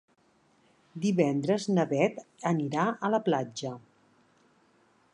Divendres na Beth anirà a la platja.